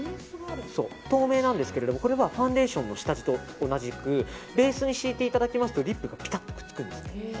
透明なんですけどこれはファンデーションの下地と同じくベースに敷いていただくとリップがピタッとくっつくんです。